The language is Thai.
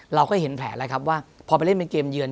เราก็เห็นแผลแล้วครับว่าพอไปเล่นเป็นเกมเยือน